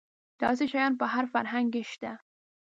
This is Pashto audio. داسې شیان په هر فرهنګ کې شته.